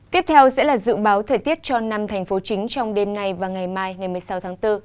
tiếp theo sẽ là dự báo thời tiết cho năm thành phố chính trong đêm nay và ngày mai ngày một mươi sáu tháng bốn